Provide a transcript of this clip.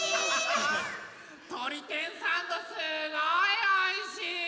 とり天サンドすごいおいしい！